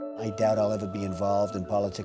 saya tak tahu saya akan bergabung dalam politik